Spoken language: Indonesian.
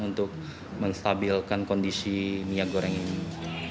untuk menstabilkan kondisi minyak goreng ini